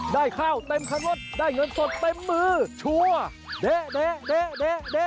ได้ข้าวเต็มคันรถได้เงินสดเต็มมือชัวร์เด๊ะ